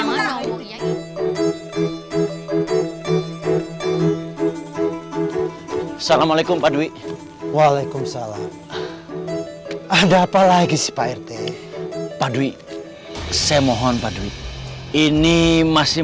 assalamualaikum padwi waalaikumsalam ada apa lagi sih pak rt padwi saya mohon padwi ini masih